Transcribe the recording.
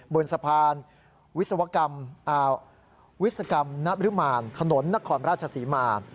บนทรภารวิสยกรรมนรมานถนนนครราชสี่มา